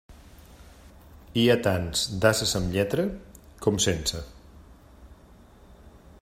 Hi ha tants d'ases amb lletra, com sense.